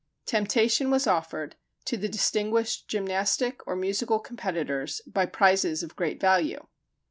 Temptation was offered, to the distinguished gymnastic or musical competitors, by prizes of great value.